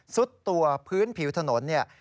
สุดตัวพื้นผิวถนนเนี่ย